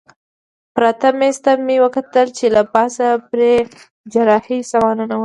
پراته مېز ته مې وکتل چې له پاسه پرې د جراحۍ سامانونه ول.